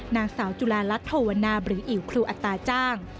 นางสาวจุฬาลัทธวันนาบริหิวครูอัตตาจ้าง